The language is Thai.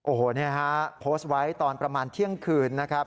โอ้โหโพสต์ไว้ตอนประมาณเที่ยงคืน